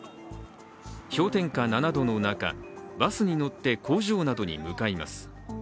氷点下７度の中、バスに乗って工場などに向かいます。